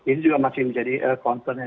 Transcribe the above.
ini juga masih menjadi concern